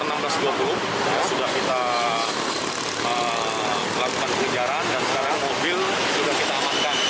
sudah kita lakukan pengejaran dan sekarang mobil sudah kita amankan